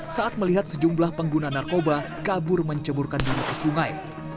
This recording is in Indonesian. saat melihat sejumlah pengguna narkoba kabur menceburkan bunga ke sungai